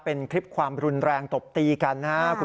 เป็นคลิปความรุนแรงตบตีกันนะครับ